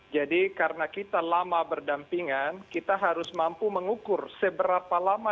jadi karena kita lama berdampingan kita harus mampu mengukur seberapa lama dan seberapa lama